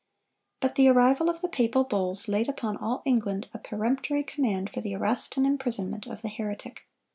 But the arrival of the papal bulls laid upon all England a peremptory command for the arrest and imprisonment of the heretic.